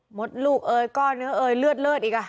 หมดลูกเอ่ยก้อนเนื้อเอ่ยเลือดอีกอ่ะ